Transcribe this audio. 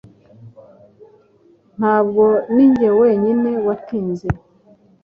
Ntabwo ninjye wenyine watinze